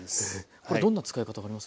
これどんな使い方があります？